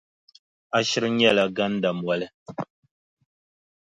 A shiri nyɛla gandammoli.